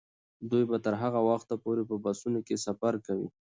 دوی به تر هغه وخته پورې په بسونو کې سفر کوي.